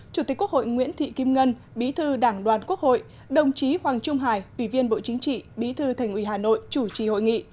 chủ tịch quốc hội nguyễn thị kim ngân bí thư đảng đoàn quốc hội đồng chí hoàng trung hải ủy viên bộ chính trị bí thư thành ủy hà nội chủ trì hội nghị